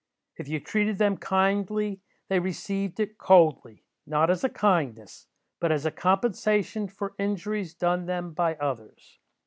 If you treated them kindly, they received it coldly; not as a kindness, but as a compensation for injuries done them by others.